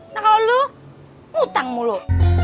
nah kalau lo mutang mulu